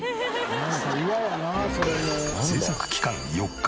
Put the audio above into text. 制作期間４日。